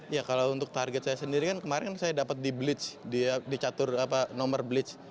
ya kalau untuk target saya sendiri kan kemarin saya dapat di bleach di catur nomor bleach